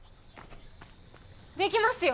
できますよ。